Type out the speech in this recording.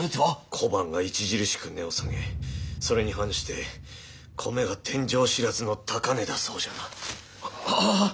小判が著しく値を下げそれに反して米が天井知らずの高値だそうじゃな。ははっ。